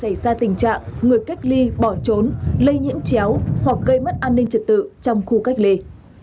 xảy ra tình trạng người cách ly bỏ trốn lây nhiễm chéo hoặc gây mất an ninh trật tự trong khu cách ly